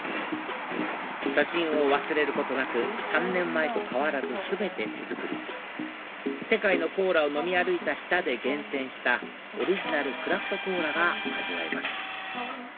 初心を忘れることなく３年前と変わらず全て手作り世界のコーラを飲み歩いた舌で厳選したオリジナルクラフトコーラが味わえます